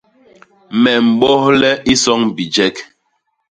Me mbohle isoñ bijek.